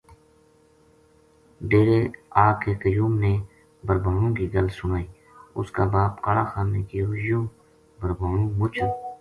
ڈیرے آ کے قیو م نے بھربھانو کی گل سنائی اس کا باپ کالا خان نے کہیو یوہ بھربھانو مُچ